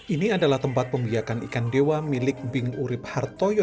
ini adalah tempat pembiakan ikan dewa milik bing urib hartoyo